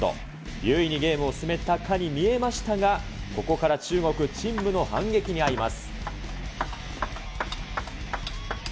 優位にゲームを進めたかに見えましたが、ここから中国、陳夢の反撃に遭います。